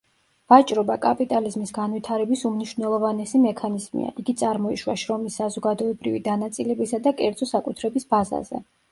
ვაჭრობა კაპიტალიზმის განვითარების უმნიშვნელოვანესი მექანიზმია, იგი წარმოიშვა შრომის საზოგადოებრივი დანაწილებისა და კერძო საკუთრების ბაზაზე.